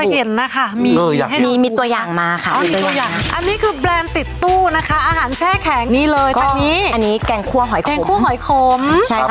อยากจะเห็นนะคะมีให้ดูมีตัวอย่างมาค่ะมีตัวอย่าง